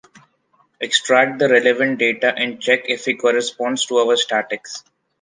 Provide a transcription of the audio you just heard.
Extract the relevant data and check if he correspond to our statics.